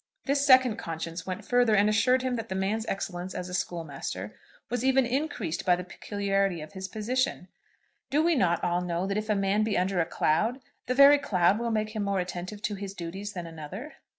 This second conscience went further, and assured him that the man's excellence as a schoolmaster was even increased by the peculiarity of his position. Do we not all know that if a man be under a cloud the very cloud will make him more attentive to his duties than another?